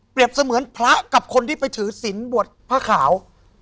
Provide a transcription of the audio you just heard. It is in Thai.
เสมือนพระกับคนที่ไปถือศิลป์บวชผ้าขาว